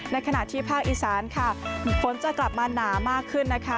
ขณะที่ภาคอีสานค่ะฝนจะกลับมาหนามากขึ้นนะคะ